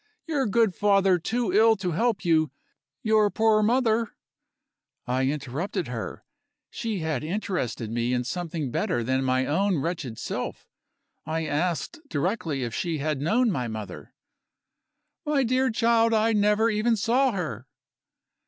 Your good father too ill to help you; your poor mother " I interrupted her; she had interested me in something better than my own wretched self. I asked directly if she had known my mother. "My dear child, I never even saw her!"